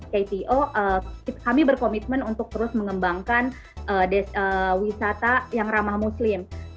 kto kami berkomitmen untuk terus mengembangkan wisata yang ramah muslim